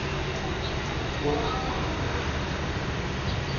Kôs mañga.